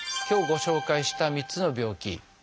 今日ご紹介した３つの病気。